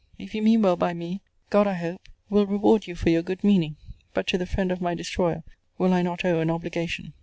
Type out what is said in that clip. If you mean well by me, God, I hope, will reward you for your good meaning; but to the friend of my destroyer will I not owe an obligation.